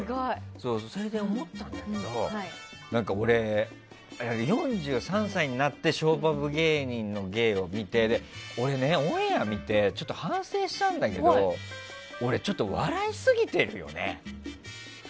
それで思ったんだけど俺、４３歳になってショーパブ芸人の芸を見て俺、オンエア見てちょっと反省したんだけど俺、笑いすぎてるよね。